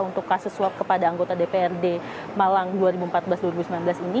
untuk kasus swab kepada anggota dprd malang dua ribu empat belas dua ribu sembilan belas ini